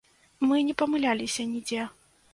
Мы не памыляліся нідзе.